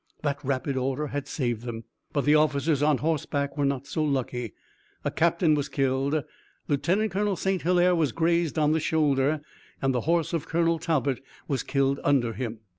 That rapid order had saved them, but the officers on horseback were not so lucky. A captain was killed, Lieutenant Colonel St. Hilaire was grazed on the shoulder, and the horse of Colonel Talbot was killed under him.